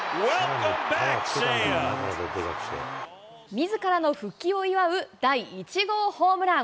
みずからの復帰を祝う第１号ホームラン。